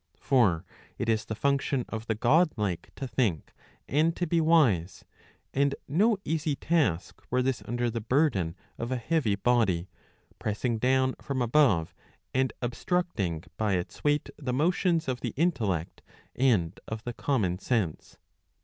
For it is the function of the god like to 'think and to be wise ; and no easy task were this under the burden of a heavy body, pressing down from above and obstructing by its weight the motions of the intellect and of the common sense.